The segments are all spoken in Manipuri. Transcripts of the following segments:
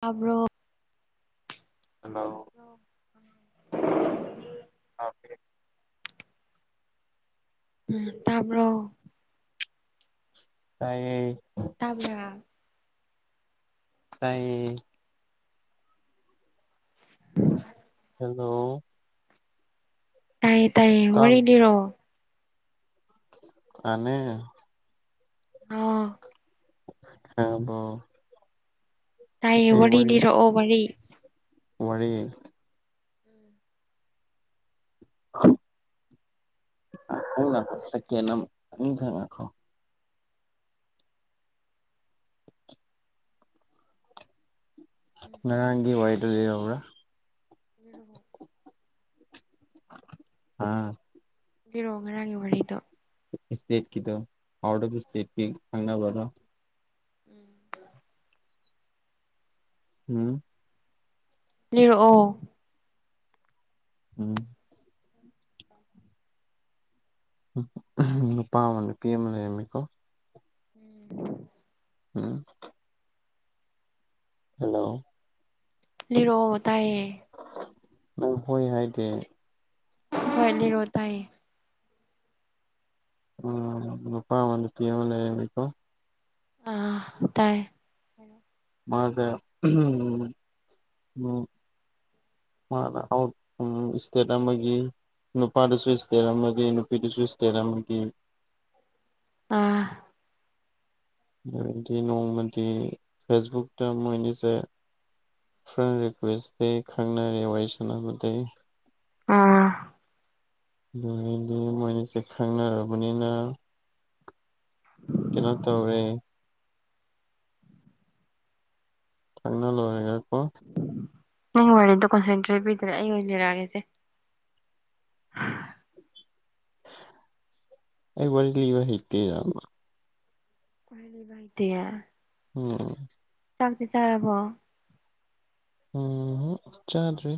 ꯇꯕ꯭ꯔꯣ ꯍꯜꯂꯣ ꯑꯣ ꯑ [unintelligible] ꯑꯣꯀꯦ ꯎꯝ ꯇꯕ꯭ꯔꯣ ꯇꯥꯏꯌꯦ ꯇꯥꯕ꯭ꯔꯥ ꯇꯥꯏꯌꯦ [inaudible] ꯍꯜꯂꯣ ꯇꯥꯏꯌꯦ ꯇꯥꯏꯌꯦ ꯋꯥꯔꯤ ꯂꯤꯔꯣ ꯑꯅꯦ ꯑꯥ ꯈꯪꯡꯉꯕꯣ ꯇꯥꯏꯌꯦ ꯋꯥꯔꯤ ꯂꯤꯔꯛꯑꯣ ꯋꯥꯔꯤ ꯋꯥꯔꯤ ꯎꯝ ꯈꯪꯣ ꯁꯦꯀ ꯊꯪꯣ [unintelligible] ꯎꯝ ꯍꯥꯏꯔꯛꯑꯣ ꯉꯔꯥꯡꯒꯤ ꯋꯥꯔꯤꯗꯣ ꯂꯤꯔꯛꯎꯔꯥ ꯂꯤꯔꯛꯑꯣ ꯑꯥ ꯂꯤꯔꯛꯎ ꯉꯔꯥꯡꯒꯤ ꯋꯥꯔꯤꯗꯣ ꯁ꯭ꯇꯦꯠꯀꯤꯗ ꯑꯥꯎꯠ ꯑꯣꯐ ꯁ꯭ꯇꯦꯠꯀꯤ ꯈꯪꯅꯕ꯭ꯔꯣ ꯎꯝ ꯎꯝ ꯂꯤꯔꯛꯑꯣ ꯎꯝ ꯅꯨꯄꯥꯥ ꯑꯃ ꯅꯨꯄꯤ ꯑꯃ ꯂꯩꯔꯝꯃꯤ ꯎꯝ ꯎꯝ ꯍꯜꯂꯣ ꯂꯤꯔꯛꯑꯣ ꯇꯥꯏ ꯅꯪ ꯍꯣꯏ ꯍꯥꯏꯗꯦ ꯍꯣꯏ ꯂꯤꯔꯛꯑꯣ ꯇꯥꯏ ꯅꯨꯄ ꯑꯃ ꯅꯨꯄꯤ ꯑꯃ ꯂꯩꯔꯝꯃꯤꯀꯣ ꯑꯥ ꯇꯥꯏꯌꯦ ꯃꯥꯒ ꯎꯝ [unintelligible] ꯃꯅꯥ ꯁ꯭ꯇꯦꯠ ꯑꯃꯒꯤ ꯅꯨꯄꯥꯗꯨꯁꯨ ꯁ꯭ꯇꯦꯠ ꯑꯃꯒꯤ ꯅꯨꯄꯤꯗꯨꯁꯨ ꯁ꯭ꯇꯦꯠ ꯑꯃꯒꯤ ꯑ ꯑꯗꯨꯗꯒꯤꯗꯤ ꯅꯣꯡꯃꯗꯤ ꯐꯦꯁꯕꯨꯛꯇ ꯃꯣꯏꯅꯤꯁꯦ ꯐ꯭ꯔꯦꯟ ꯔꯤꯀ꯭ꯋꯦꯁꯇꯩ ꯈꯪꯅꯔꯦ ꯋꯥꯔꯤ ꯁꯥꯟꯅꯕꯗꯒꯤ ꯑꯥ ꯑꯗꯨꯗꯒꯤ ꯃꯣꯏꯑꯅꯤꯁꯦ ꯈꯪꯅꯔꯕꯅꯤꯅ ꯀꯩꯅꯣ ꯇꯧꯔꯦ ꯐꯥꯏꯅꯜ ꯍ [unintelligible] ꯎꯝ ꯅꯪ ꯋꯥꯔꯤꯗꯣ ꯀꯣꯟꯁꯦꯟꯇ꯭ꯔꯦꯠ ꯄꯤꯗꯔꯦ ꯑꯩ ꯑꯣꯏꯅ ꯂꯤꯔꯛꯑꯒꯦꯁꯦ ꯑꯩ ꯋꯥꯔꯤ ꯂꯤꯕ ꯍꯩꯇꯦꯕ ꯂꯤꯕ ꯍꯩꯇꯦ ꯍꯥꯏꯕ ꯎꯝ ꯆꯥꯛꯇꯤ ꯆꯥꯔꯕꯣ ꯆꯥꯗ꯭ꯔꯤ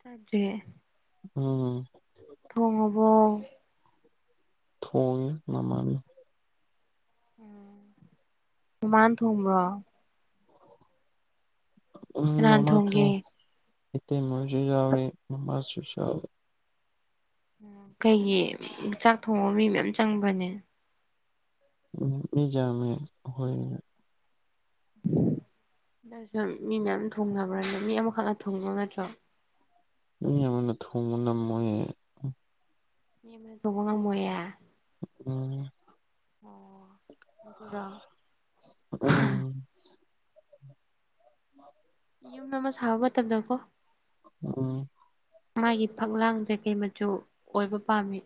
ꯆꯥꯗ꯭ꯔꯤꯌꯦ ꯎꯝ ꯊꯣꯡꯉꯕꯣ ꯊꯣꯡꯉꯦ ꯃꯃꯥꯅ ꯃꯃꯥꯅ ꯊꯣꯡꯕ꯭ꯔꯣ ꯎꯝ ꯀꯅꯥꯅ ꯃꯃꯥꯅ ꯊꯣꯡꯒꯦ ꯊꯣꯡꯉꯦ ꯏꯇꯩꯃꯁꯨ ꯌꯥꯎꯋꯦ ꯃꯃꯥꯁꯨ ꯌꯥꯎꯋꯦ ꯀꯩꯒꯤ ꯆꯥꯛ ꯊꯣꯡꯕꯕꯨ ꯃꯤ ꯃꯌꯥꯝ ꯆꯪꯕ꯭ꯔꯅꯦ ꯃꯤ ꯌꯝꯃꯦ ꯑꯩꯈꯣꯏ ꯑꯗꯣ ꯁꯨꯨꯝ ꯃꯤ ꯃꯌꯥꯝꯅ ꯊꯣꯡꯅꯕ꯭ꯔꯅꯦ ꯃꯤ ꯑꯃꯈꯛꯅ ꯊꯣꯡꯕ ꯅꯠꯇ꯭ꯔꯣ ꯃꯤ ꯑꯃꯅ ꯊꯣꯡꯕ ꯅꯝꯃꯣꯏꯌꯦ ꯃꯤ ꯑꯃꯅ ꯊꯣꯡꯕ ꯉꯝꯃꯣꯌꯦ ꯎꯝ ꯑꯣ ꯑꯗꯨꯔꯣ ꯎꯝ [inaudible] ꯌꯨꯝ ꯑꯃ ꯁꯥꯕ ꯃꯇꯝꯗꯀꯣ ꯎꯝ ꯃꯥꯒꯤ ꯐꯛꯂꯥꯡ ꯖꯦ ꯀꯩ ꯃꯆꯨ ꯑꯣꯏꯕ ꯄꯥꯝꯃꯤ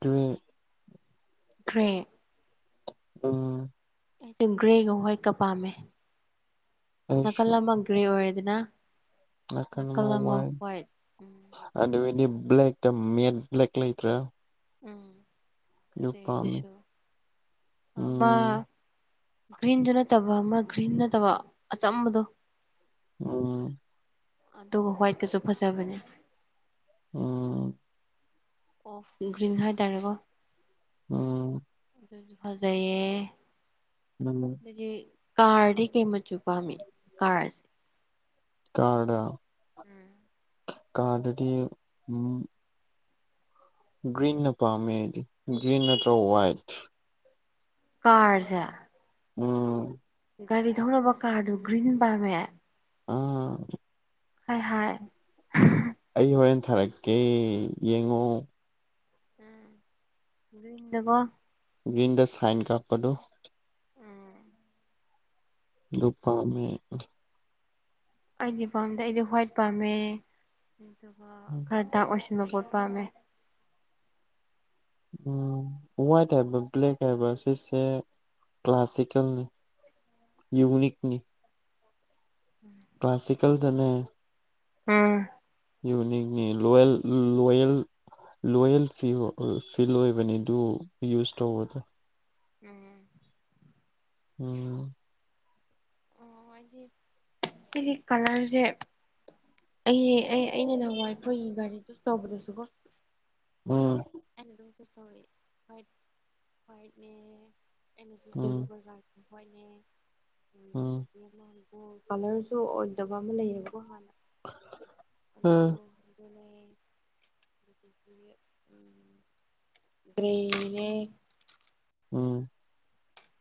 ꯗꯨꯋꯦ ꯀ꯭ꯔꯦ ꯎꯝ ꯑꯗꯤ ꯒ꯭ꯔꯦꯒ ꯍꯥꯏꯠꯀ ꯄꯥꯝꯃꯦ ꯅꯥꯀꯜ ꯑꯃ ꯒ꯭ꯔꯦ ꯑꯣꯏꯔꯦꯗꯅ ꯅꯀꯟ ꯅꯥꯀꯜ ꯑꯃ ꯋꯥꯏꯠ ꯍ꯭ꯋꯥꯏꯠ ꯎꯝ ꯑꯗꯨ ꯑꯣꯏꯗꯤ ꯕ꯭ꯂꯦꯛ ꯇ ꯃꯦꯠ ꯕ꯭ꯂꯦꯛ ꯂꯩꯇ꯭ꯔ ꯎꯝ ꯐꯖꯩ ꯑꯗꯨꯁꯨ ꯑꯃ ꯎꯝ ꯒ꯭ꯔꯤꯟꯖꯨ ꯅꯠꯇꯕ ꯑꯃ ꯒ꯭ꯔꯤꯟ ꯅꯠꯇꯕ ꯑꯆꯝꯕꯗꯣ ꯑꯥ ꯑꯗꯨꯒ ꯍꯨꯋꯥꯏꯠꯀꯁꯨ ꯐꯖꯕꯅꯦ ꯑꯥ ꯑꯣꯐ ꯒ꯭ꯔꯤꯟ ꯍꯥꯏꯇꯔꯦꯀꯣ ꯎꯝ ꯑꯗꯨꯁꯨ ꯐꯖꯩꯌꯦ ꯎꯝ ꯑꯩꯗꯤ ꯀꯥꯔꯗꯤ ꯀꯩꯃꯆꯨ ꯄꯥꯝꯃꯤ ꯀꯥꯔꯁ ꯀꯥꯔꯗ ꯎꯝ ꯀꯥꯔꯗꯗꯤ ꯎꯝ ꯒ꯭ꯔꯤꯟꯟꯅ ꯄꯥꯝꯃꯦ ꯑꯩꯗꯤ ꯒ꯭ꯔꯤꯟ ꯅꯠꯇ꯭ꯔ ꯋꯥꯏꯠ ꯀꯥꯔꯖꯦ ꯎꯝ ꯒꯥꯔꯤ ꯊꯧꯅꯕ ꯀꯥꯔꯗꯨ ꯒ꯭ꯔꯤꯟ ꯄꯥꯝꯃꯦ ꯑꯥ ꯍꯥꯏ ꯍꯥꯏ ꯑꯩ ꯍꯣꯔꯦꯟ ꯊꯥꯔꯛꯀꯦ ꯌꯦꯡꯉꯣ ꯎꯝ ꯒ꯭ꯔꯤꯟꯗꯀꯣ ꯒ꯭ꯔꯤꯟꯗ ꯁꯥꯏꯟ ꯀꯥꯞꯄꯗꯣ ꯗꯨ ꯄꯥꯝꯃꯦ ꯑꯩꯗꯤ ꯄꯥꯝꯗꯦ ꯑꯩꯗꯤ ꯍ꯭ꯨꯋꯥꯏꯠ ꯄꯥꯝꯃꯦ ꯑꯗꯨꯒ ꯎꯝ ꯈꯔ ꯗꯥꯛ ꯑꯣꯏꯁ ꯄꯣꯠ ꯄꯥꯝꯃꯦ ꯎꯝ ꯋꯥꯏꯠ ꯍꯥꯏꯕ ꯕ꯭ꯂꯦꯛ ꯍꯥꯏꯕ ꯁꯤꯁꯦ ꯀ꯭ꯂꯁꯤꯀꯦꯜꯅꯤ ꯌꯨꯅꯤꯛꯅꯤ ꯀ꯭ꯂꯁꯤꯀꯜꯗꯅꯦ ꯑꯝ ꯌꯨꯅꯤꯛꯅꯤ ꯂꯣꯌꯦꯜ ꯂꯣꯌꯦꯜ ꯂꯣꯌꯦꯜ ꯐꯤꯌꯨ ꯐꯤꯜ ꯑꯣꯏꯕꯅꯤ ꯑꯗꯨ ꯌꯨꯁ ꯇꯧꯕꯗ ꯎꯝ ꯎꯝ ꯑꯣ ꯍꯥꯏꯗꯤ ꯑꯩꯗꯤ ꯀꯂꯔꯁꯦ ꯑꯩ ꯑꯩꯅ ꯅꯍꯥꯟꯋꯥꯏ ꯑꯩꯈꯣꯏꯒꯤ ꯒꯥꯔꯤꯗꯁꯨ ꯇꯧꯕꯗꯁꯨ ꯀꯣ ꯎꯝ ꯑꯩꯅ ꯑꯗꯨꯝ ꯆꯨꯁ ꯇꯧꯌꯦ ꯋꯥꯏꯠꯅꯦ [inaudible] ꯎꯝ ꯎꯝ ꯑꯣ ꯀꯂꯔꯁꯨ ꯑꯣꯏꯗꯕ ꯑꯃ ꯂꯩꯌꯦꯕꯀꯣ ꯍꯥꯟꯅ ꯑꯗꯣ ꯑꯗꯨꯅꯦ [inaudible] ꯒ꯭ꯔꯦꯅꯦ ꯎꯝ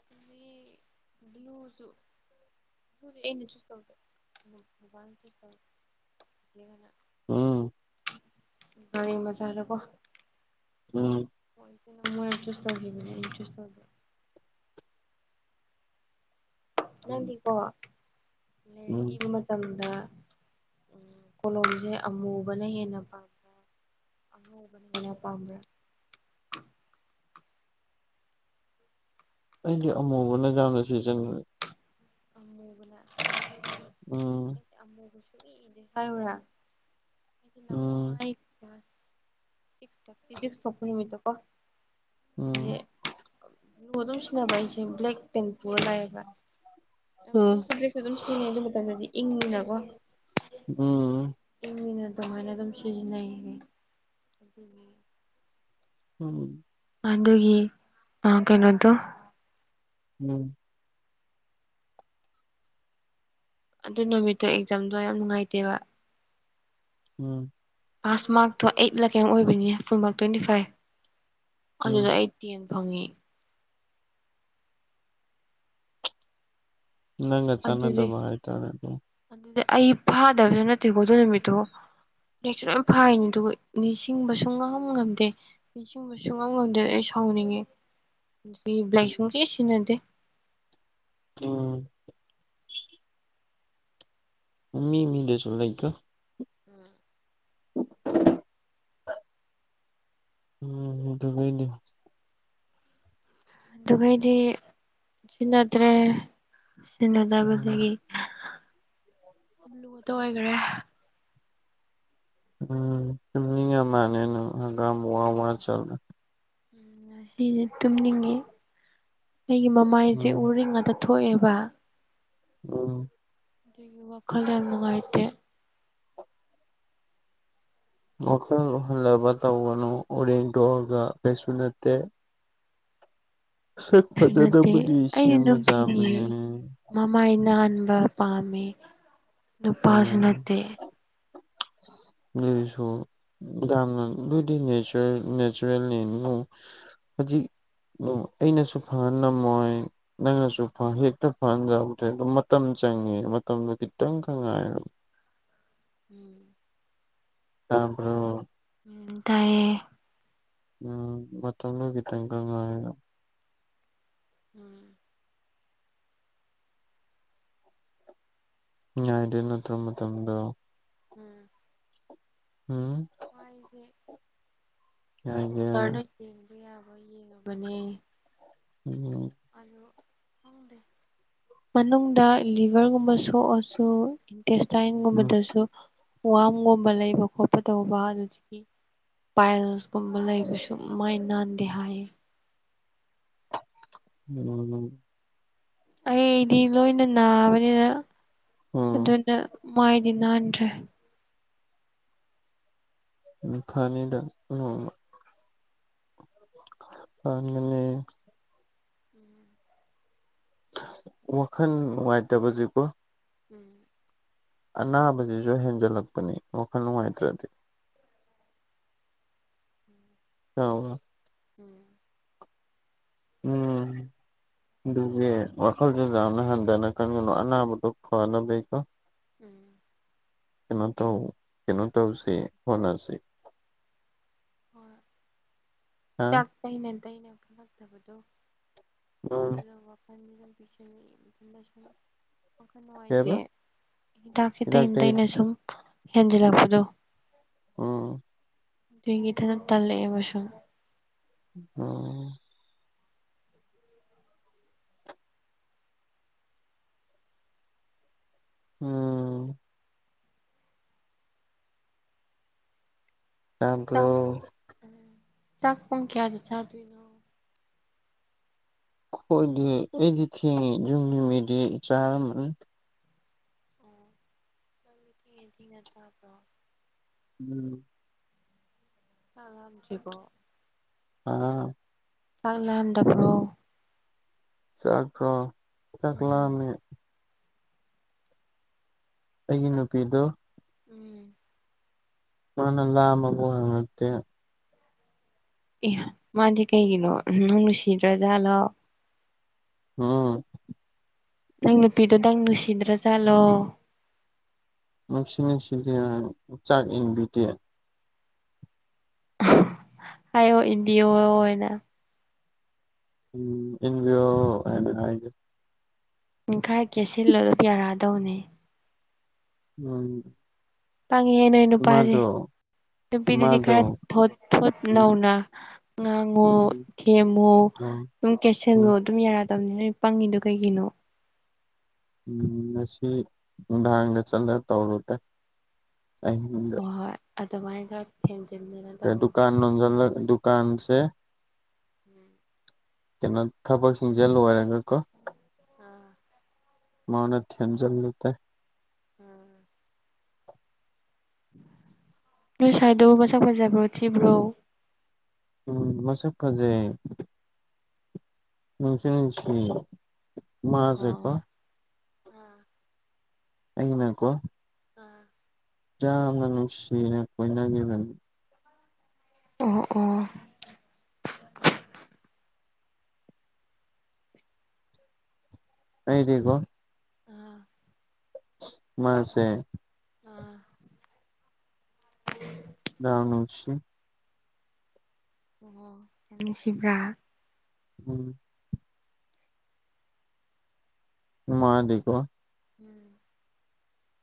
ꯑꯗꯒꯤ ꯕ꯭ꯂꯨꯁꯨ ꯑꯗꯨꯗꯤ ꯑꯩꯅ ꯆꯨꯁ ꯇꯧꯗꯦ ꯕꯥꯕꯥꯅ ꯆꯨꯁ ꯇꯧꯌꯦ ꯎꯝ ꯒꯔꯤ ꯃꯆꯥꯗꯀꯣ ꯎꯝ ꯃꯣꯏꯅ ꯆꯨꯁ ꯇꯧꯈꯤꯕꯅꯦ ꯑꯩꯅ ꯆꯨꯁ ꯇꯧꯗꯦ ꯎꯝ ꯅꯪꯗꯤꯀꯣ ꯂꯥꯏꯔꯤꯛ ꯎꯝ ꯏꯕ ꯃꯇꯝꯗ ꯎꯝ ꯀꯣꯂꯣꯝꯁꯦ ꯑꯃꯨꯕꯅ ꯍꯦꯟꯅ ꯄꯥꯝꯕ꯭ꯔ ꯑꯉꯧꯕꯅ ꯍꯦꯟꯅ ꯄꯥꯝꯕ꯭ꯔ ꯑꯩꯗꯤ ꯑꯃꯨꯕꯅ ꯌꯥꯝꯅ ꯁꯤꯖꯤꯟꯅꯩ ꯑꯃꯨꯕꯅ ꯎꯝ ꯍꯥꯏꯎꯔꯥ ꯑꯩꯗꯤ ꯎꯝ ꯅꯍꯥꯟꯋꯥꯏ ꯐꯤꯖꯤꯛꯁ ꯊꯣꯛꯄ ꯅꯨꯃꯤꯠꯇꯣꯀꯣ ꯑꯩꯁꯦ ꯎꯝ ꯀꯣꯂꯣꯝ ꯁꯤꯖꯤꯟꯅꯕ ꯑꯩꯁꯦ ꯕ꯭ꯂꯦꯛ ꯄꯦꯟ ꯄꯨꯔꯒ ꯂꯥꯛꯌꯦꯕ ꯌꯥꯝ ꯎꯝ ꯕ꯭ꯂꯨꯁꯨ ꯕ꯭ꯂꯦꯛꯁꯨ ꯑꯗꯨꯝ ꯁꯤꯖꯤꯟꯅꯩ ꯑꯗꯨ ꯃꯇꯝꯗꯗꯤ ꯏꯪꯉꯤꯅꯀꯣ ꯎꯝ ꯑꯗꯨꯃꯥꯏꯅ ꯑꯗꯨꯝ ꯁꯤꯖꯤꯟꯅꯩꯌꯦ ꯎꯝ ꯑꯗꯨꯒꯤ ꯑꯥ ꯀꯩꯅꯣꯗꯣ ꯎꯝ ꯑꯗꯨ ꯅꯨꯃꯤꯠꯇꯣ ꯑꯦꯛꯖꯥꯝꯗꯣ ꯌꯥꯝ ꯅꯨꯡꯉꯥꯏꯇꯦꯕ ꯎꯝ ꯄꯥꯁ ꯃꯥꯛꯇꯣ ꯑꯩꯠ ꯂꯥ ꯀꯩꯅꯣꯝ ꯑꯣꯏꯕꯅꯤꯅꯦ ꯐꯨꯜ ꯃꯥꯔꯛ ꯇ꯭ꯋꯦꯟꯇꯤ ꯐꯥꯏꯚ ꯑꯗꯨꯗ ꯎꯝ ꯑꯩꯠ ꯇꯦꯟ ꯐꯪꯉꯦ ꯅꯪꯒ ꯑꯗꯨꯗꯤ ꯆꯥꯟꯅꯗꯕ ꯍꯥꯏ ꯇꯥꯔꯦ ꯑꯗꯣ ꯑꯗꯨꯗꯤ ꯑꯩ ꯐꯥꯗꯕꯁꯨ ꯅꯠꯇꯦꯀꯣ ꯑꯗꯨ ꯅꯨꯃꯤꯠꯇꯣ ꯅꯦꯛꯁꯨ ꯂꯣꯏ ꯐꯥꯔꯤꯅꯤ ꯑꯗꯨꯒ ꯅꯤꯡꯁꯤꯡꯕ ꯁꯨꯉꯝ ꯉꯝꯗꯦ ꯅꯤꯡꯁꯤꯡꯕ ꯁꯨꯉꯝ ꯉꯝꯗꯦ ꯑꯩꯁꯨ ꯁꯥꯎꯅꯤꯡꯉꯦ ꯑꯗꯨꯗꯤ ꯕ꯭ꯂꯦꯛ ꯁꯨꯡꯁꯤ ꯁꯤꯖꯤꯟꯅꯗꯦ ꯎꯝ ꯃꯤꯃꯤꯗꯁꯨ ꯂꯩꯗ ꯎꯝ ꯑꯗꯨꯃꯥꯏꯅ ꯑꯗꯨꯒ ꯑꯩꯗꯤ ꯁꯤꯖꯤꯟꯅꯗ꯭ꯔꯦ ꯎꯝ ꯁꯤꯟꯅꯗꯕꯗꯒꯤ ꯂꯨꯇ ꯑꯣꯏꯈ꯭ꯔꯦ ꯇꯨꯝꯅꯤꯡꯉꯥ ꯃꯥꯜꯂꯦ ꯅꯪ ꯍꯀꯥꯝ ꯋꯥ ꯋꯥ ꯆꯜꯂꯦ ꯎꯝ ꯑꯁꯤꯁꯦ ꯇꯨꯝꯅꯤꯡꯉꯦ ꯑꯩꯒꯤ ꯃꯃꯥꯏꯁꯦ ꯎꯝ ꯎꯔꯤꯡ ꯉꯥꯛꯇ ꯊꯣꯛꯑꯦꯕ ꯑꯣ ꯑꯗꯒꯤ ꯋꯥꯈꯜꯗꯣ ꯌꯥꯝ ꯅꯨꯡꯉꯥꯏꯇꯦ ꯋꯥꯈꯜ ꯍꯜꯂꯕ ꯇꯧꯒꯅꯨ ꯎꯔꯤꯡꯗꯣꯛꯑꯒ ꯀꯩꯁꯨ ꯅꯠꯇꯦ ꯁꯛ ꯀꯩꯁꯨ ꯅꯠꯇꯦ ꯐꯖꯅꯕꯨꯗꯤ ꯑꯩꯗꯤ ꯁꯦꯝꯕ ꯅꯨꯄꯤꯅꯤ ꯌꯥꯕꯅꯦ ꯃꯃꯥꯏ ꯅꯥꯟꯕ ꯄꯥꯝꯃꯦ ꯅꯨꯄꯥꯁꯨ ꯐꯩꯌꯦꯅꯦ ꯅꯠꯇꯦ [unintelligible] ꯍꯧꯖꯤꯛ ꯗꯨ ꯑꯩꯅꯁꯨ ꯐꯪꯍꯟꯂꯝꯃꯣꯏ ꯅꯪꯅꯁꯨ ꯐ ꯍꯦꯛꯇ ꯐꯍꯟꯖꯕꯗ꯭ꯔꯦ ꯑꯗꯨ ꯃꯇꯝ ꯆꯪꯉꯦ ꯃꯇꯝꯗꯣ ꯈꯤꯇꯪ ꯇꯛ ꯉꯥꯏꯔꯣ ꯎꯝ ꯇꯥꯕ꯭ꯔꯣ ꯎꯝ ꯇꯥꯏꯌꯦ ꯎꯝ ꯃꯇꯝꯗꯨ ꯈꯤꯇꯪꯒ ꯉꯥꯏꯌꯣ ꯎꯝ ꯉꯥꯏꯗꯣꯏ ꯅꯠꯇ꯭ꯔꯣ ꯃꯥꯏ ꯃꯇꯝꯗꯣ ꯎꯝ ꯍꯨꯝ ꯌꯥꯏꯒꯦ [inaudible] ꯑꯌꯥꯕ ꯌꯦꯡꯉꯕꯅꯦ [unintelligible] [inaudible] ꯃꯅꯨꯡꯗ ꯂꯤꯚꯔꯒꯨꯝꯕ ꯁꯣꯛꯑꯁꯨ ꯎꯝ ꯏꯟꯇꯦꯁꯇꯥꯏꯟꯒꯨꯝꯕꯗꯁꯨ ꯋꯥꯝꯒꯨꯝꯕ ꯂꯩꯕ ꯈꯣꯠꯄ ꯇꯧꯕ ꯑꯗꯨꯖꯤ ꯄꯥꯏꯜꯁꯀꯨꯝꯕ ꯂꯩꯕ ꯁꯨ ꯃꯥꯏ ꯅꯥꯟꯗꯦ ꯍꯥꯏꯌꯦ ꯎꯝ ꯑꯩꯗꯤ ꯂꯣꯏꯅ ꯅꯥꯕꯅꯤꯅ ꯎꯝ ꯑꯗꯨꯅ ꯃꯥꯏꯗꯤ ꯅꯥꯟꯗ꯭ꯔꯦ ꯎꯝ ꯐꯅꯤꯗ ꯑꯅꯦ ꯋꯥꯈꯜ ꯅꯨꯡꯉꯥꯏꯇꯕꯁꯤꯀꯣ ꯎꯝ ꯑꯅꯥꯕꯁꯤꯁꯨ ꯍꯦꯟꯖꯜꯂꯛꯄꯅꯤ ꯋꯥꯈꯜ ꯅꯨꯡꯉꯥꯏꯇ꯭ꯔꯗꯤ ꯎꯝ [inaudible] ꯎꯝ ꯑꯗꯨꯒꯤ ꯋꯥꯈꯜꯁꯦ ꯌꯥꯝꯅ ꯍꯟꯊꯅ ꯈꯟꯒꯅꯣ ꯑꯅꯥꯕꯗꯣ ꯐꯅꯕꯩ ꯂꯩꯀꯣ ꯎꯝ ꯀꯩꯅꯣ ꯇꯧ ꯀꯩꯅꯣ ꯇꯧꯁꯦ ꯍꯣꯅꯁꯤ ꯍꯣꯏ ꯍꯥ ꯍꯤꯗꯥꯛ ꯇꯩꯅ ꯇꯩꯅ ꯐꯠꯇꯕꯗꯣ ꯎꯝ [unintelligible] ꯋꯥꯈꯟ ꯀꯩ ꯅꯨꯡꯉꯥꯏꯇꯦ ꯍꯥꯏꯕ ꯍꯤꯗꯥꯛ ꯁꯦ ꯇꯩꯩꯅ ꯇꯩꯅ ꯁꯨꯝ ꯍꯦꯟꯖꯤꯜꯂꯛꯄꯗꯣ ꯎꯝ ꯗꯨꯒꯤ ꯏꯊꯟꯗ ꯇꯜꯂꯛꯑꯦꯕꯁꯨꯝ [unintelligible] ꯎꯝ ꯇꯕ꯭ꯔꯣ ꯆꯥꯛ ꯎꯝ ꯆꯥꯛ ꯄꯨꯡ ꯀꯌꯥꯗ ꯆꯥꯗꯣꯏꯅꯣ ꯈꯣꯏꯗꯤ ꯑꯩꯗꯤ ꯊꯦꯡꯑꯦ ꯌꯨꯝꯒꯤ ꯃꯤꯗꯤ ꯆꯥꯔꯝꯃꯅꯤ ꯑꯣ ꯅꯪꯗꯤ ꯊꯦꯡꯅ ꯊꯦꯡꯅ ꯆꯥꯕ꯭ꯔꯣ ꯎꯝ ꯆꯥꯛ ꯂꯤꯝꯗ꯭ꯔꯤꯕꯣ ꯑꯥ ꯆꯥꯛ ꯂꯝꯗꯕ꯭ꯔꯣ ꯆꯥꯛꯔꯣ ꯆꯥꯛꯂꯝꯃꯦ ꯑꯩꯒꯤ ꯅꯨꯄꯤꯗꯣ ꯎꯝ ꯃꯥꯅ ꯂꯥꯝꯃꯕꯣ ꯍꯪꯉꯛꯇꯦ ꯑꯦ ꯃꯗꯤ ꯀꯩꯒꯤꯅꯣ ꯅꯪ ꯅꯨꯡꯁꯤꯗ꯭ꯔ ꯖꯥꯠꯂꯣ ꯎꯝ ꯅꯪ ꯅꯨꯄꯤꯗꯣ ꯅꯪ ꯅꯨꯡꯁꯤꯗ꯭ꯔꯖꯥꯠꯂꯣ ꯅꯨꯡꯁꯤꯅꯨꯡꯁꯤꯗꯦ ꯆꯥꯛ ꯏꯟꯕꯤꯗꯦ ꯍꯥꯏꯌꯣ ꯏꯟꯕꯤꯌꯣꯅ ꯎꯝ ꯏꯟꯕꯤꯌꯣ ꯍꯥꯏꯅ ꯍꯥꯏꯒꯦ ꯏꯡ ꯈꯥꯔꯀꯦꯁꯜꯂꯣ ꯑꯗꯨꯝ ꯌꯥꯔꯛꯑꯗꯧꯅꯦ ꯎꯝ ꯄꯥꯡꯉꯤꯍꯦ ꯅꯣꯏ ꯅꯨꯄꯥꯖꯦ ꯃꯥꯗꯣ ꯅꯨꯄꯤꯗꯗꯤ ꯃꯥꯗꯣ ꯈꯔ ꯊꯣꯠ ꯊꯣꯠ ꯎꯝ ꯅꯧꯅ ꯉꯥꯡꯉꯣ ꯊꯦꯝꯃꯣ ꯎꯝ ꯑꯗꯨꯝ ꯀꯦꯁꯦꯜꯂꯣ ꯎꯝ ꯑꯗꯨꯝ ꯌꯥꯔ ꯄꯪꯉꯤꯗꯣ ꯀꯩꯒꯤꯅꯣ ꯎꯝ ꯉꯁꯤ ꯅꯨꯡꯗꯥꯥꯡꯗ ꯆꯠꯂ ꯇꯧꯔꯨꯒꯦ ꯑꯍꯤꯡꯗ ꯍꯣꯏ ꯍꯣꯏ ꯑꯗꯨꯃꯥꯏꯅ ꯈꯔ ꯊꯦꯝꯖꯟ ꯗꯨꯀꯥꯟ ꯅꯣꯟꯖ ꯗꯨꯀꯥꯟꯁꯦ ꯎꯝ ꯀꯩꯅꯣ ꯊꯕꯛꯁꯤꯡꯁꯦ ꯂꯣꯏꯔꯒ ꯀꯣ ꯑꯥ ꯃꯅ ꯊꯦꯝꯖꯟꯕꯇꯥꯏ ꯑꯥ ꯅꯣꯏ ꯁꯥꯏꯗꯣ ꯃꯁꯛ ꯐꯖꯕ꯭ꯔꯣ ꯊꯤꯕ꯭ꯔꯣ ꯎꯝ ꯃꯁꯛ ꯐꯖꯩ ꯅꯨꯡꯁꯨ ꯅꯨꯡꯁꯤ ꯃꯖꯦꯀꯣ ꯑꯣ ꯑꯩꯅꯀꯣ ꯑꯥ ꯌꯥꯝꯅ ꯅꯨꯡꯁꯤꯅ ꯀꯣꯏꯅꯒꯤꯕꯅꯦ ꯑꯣ ꯑꯣ ꯑꯩꯗꯤꯀꯣ ꯑꯥ ꯃꯁꯦ ꯑꯥ ꯌꯥꯝ ꯅꯨꯡꯁꯤ ꯑꯣ ꯅꯨꯡꯁꯤꯕ꯭ꯔꯥ ꯎꯝ ꯃꯥꯗꯤꯀꯣ ꯎꯝ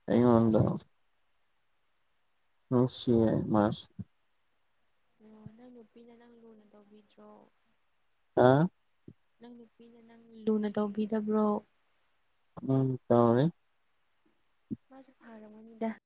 ꯑꯩꯉꯣꯟꯗ ꯅꯨꯡꯁꯤꯌꯦ ꯃꯥꯁꯨ ꯑꯣ ꯅꯪ ꯅꯨꯄꯤꯅ ꯅꯪ ꯂꯨꯅ ꯇꯧꯕꯤꯗ꯭ꯔꯣ ꯑꯥ ꯅꯪ ꯅꯨꯄꯤꯅ ꯅꯪ ꯂꯨꯅ ꯇꯧꯕꯤꯗꯕ꯭ꯔꯣ ꯎꯝ ꯇꯥꯎꯔꯦ ꯃꯁꯨ ꯐꯔꯝꯒꯅꯤꯗ